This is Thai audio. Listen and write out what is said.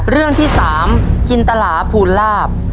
เรื่องที่๓จินตลาภูลาภ